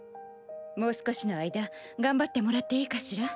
もう少しの間頑張ってもらっていいかしら？